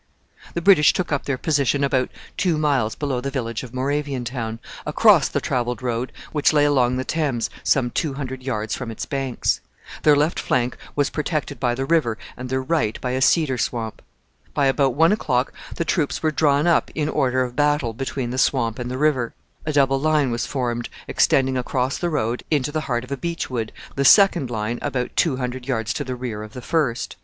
The British took up their position about two miles below the village of Moraviantown, across the travelled road which lay along the Thames some two hundred yards from its banks. Their left flank was protected by the river and their right by a cedar swamp. By about one o'clock the troops were drawn up in order of battle between the swamp and the river. A double line was formed extending across the road into the heart of a beech wood, the second line about two hundred yards to the rear of the first.